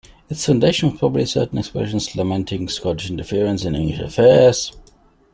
Its foundation was probably certain expressions lamenting Scottish interference in English affairs.